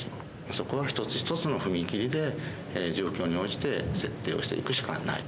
そこを一つ一つの踏切で、状況に応じて設定をしていくしかない。